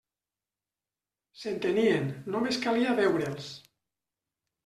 S'entenien, només calia veure'ls!